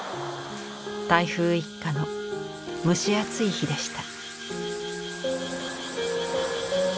台風一過の蒸し暑い日でした。